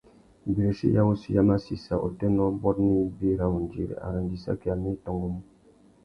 Ibirichi ya wuchi ya massissa utênê ôbôt nà ibi râ undiri ; arandissaki amê i tôngômú.